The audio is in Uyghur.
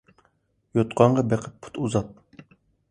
يوتقانغا بېقىپ پۇت ئۇزات.